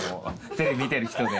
テレビ見てる人で。